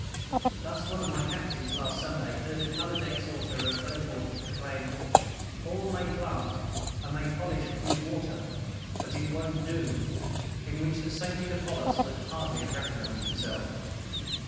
Thus, one of my captains, last Sunday, heard a colored exhorter at Beaufort proclaim, "Paul may plant, and may polish wid water, but it won't do," in which the sainted Apollos would hardly have recognized himself.